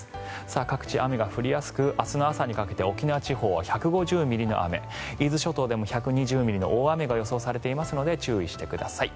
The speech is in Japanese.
各地、雨が降りやすく明日の朝にかけて沖縄地方は１５０ミリの雨伊豆諸島でも１２０ミリの雨が予想されていますのでご注意ください。